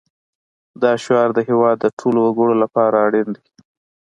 دا شعار د هېواد د ټولو وګړو لپاره اړین دی